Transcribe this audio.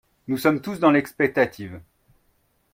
Nous sommes tous dans l’expectative